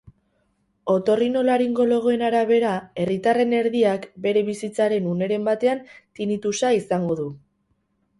Otorrinolaringologoen arabera, herritarren erdiak bere bizitzaren uneren batean tinnitusa izango du.